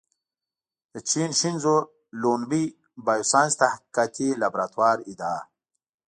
د چین شینزو لونوي بایوساینس تحقیقاتي لابراتوار ادعا